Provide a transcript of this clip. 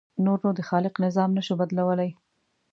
نور نو د خالق نظام نه شو بدلولی.